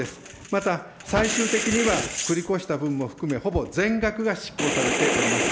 また最終的には、繰り越した分も含めほぼ全額が執行されております。